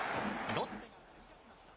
ロッテが競り勝ちました。